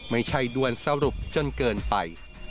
ไม่ใช่ด้วนสรุปจนเกินไป